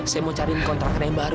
saya mau cari kontrakan yang baru